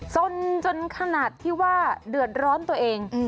สนจนขนาดที่ว่าเดือดร้อนตัวเอง